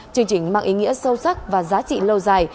chương trình mang ý nghĩa sâu sắc và giá trị lâu dài